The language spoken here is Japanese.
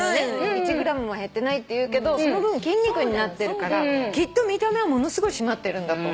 １ｇも減ってないって言うけどその分筋肉になってるからきっと見た目はものすごい締まってるんだと思う。